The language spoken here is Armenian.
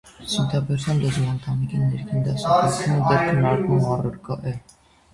Սինատիբեթյան լեզվաընտանիքի ներքին դասակարումը դեռ քննարկման առարկա է։